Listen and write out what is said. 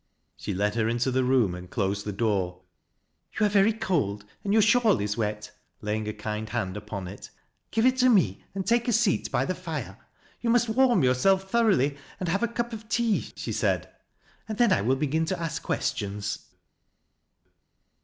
She led her into the room and closed the door. " You are very cold and your shawl is wet," laying a kind hand upon it. " Give it to me, and take a seat by the fire. You must warm yourself thoroughly and have a cup of tea," she said, " and then I will begin to ask ques tions."